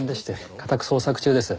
家宅捜索中です。